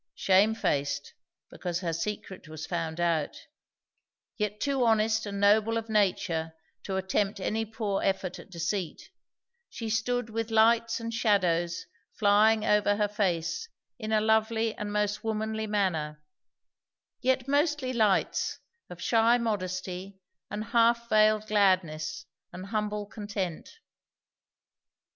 Shamefaced, because her secret was found out, yet too honest and noble of nature to attempt any poor effort at deceit, she stood with lights and shadows flying over her face in a lovely and most womanly manner; yet mostly lights, of shy modesty and half veiled gladness and humble content.